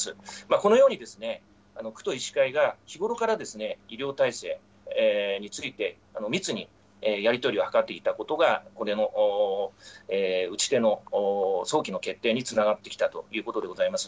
このように、区と医師会が日頃から医療体制について、密にやり取りを図っていたことが、ここでも打ち手の早期の決定につながってきたということでございます。